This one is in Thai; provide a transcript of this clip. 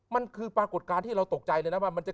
มันคือปรากฏการณ์ที่เราตกใจเลยนะว่ามันจะ